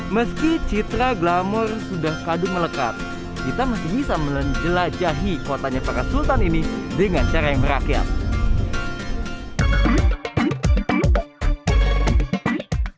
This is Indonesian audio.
meski citra glamor sudah kadung melekat kita masih bisa menjelajahi kotanya para sultan ini dengan cara yang merakyat